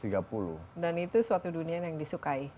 dan itu suatu dunia yang disukai